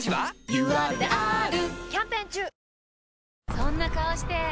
そんな顔して！